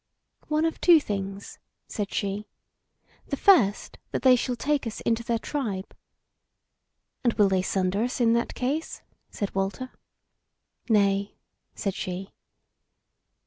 "One of two things," said she; "the first that they shall take us into their tribe." "And will they sunder us in that case?" said Walter. "Nay," said she.